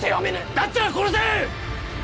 だったら殺せ！